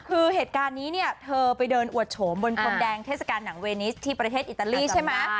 คือเหตุการณ์นี้เนี่ยเธอไปเดินอวดโฉมบนพรมแดงเทศกาลหนังเวนิสที่ประเทศอิตาลีใช่ไหม